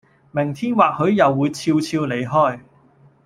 明天或許又會俏俏離開